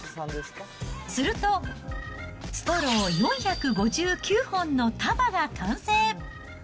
すると、ストロー４５９本の束が完成。